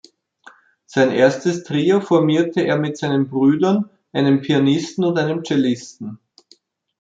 Sein erstes Trio formierte er mit seinen Brüdern, einem Pianisten und einem Cellisten.